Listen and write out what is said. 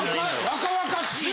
若々しいな！